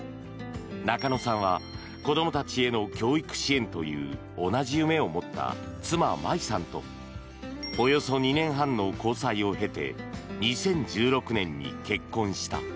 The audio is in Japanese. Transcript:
中野さんは子どもたちへの教育支援という同じ夢を持った妻・麻衣さんとおよそ２年半の交際を経て２０１６年に結婚した。